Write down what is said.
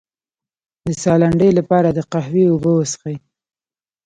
د ساه لنډۍ لپاره د قهوې اوبه وڅښئ